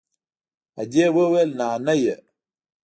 ادې وويل نانيه.